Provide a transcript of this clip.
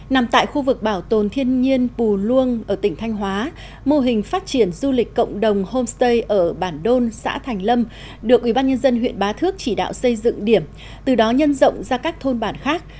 nằm tại khu vực bảo tồn thiên nhiên pù luông ở tỉnh thanh hóa mô hình phát triển du lịch cộng đồng homestay ở bản đôn xã thành lâm được ubnd huyện bá thước chỉ đạo xây dựng điểm từ đó nhân rộng ra các thôn bản khác